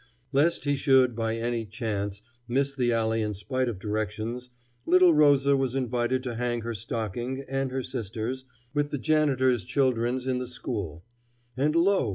Lest he should by any chance miss the alley in spite of directions, little Rosa was invited to hang her stocking, and her sister's, with the janitor's children's in the school. And lo!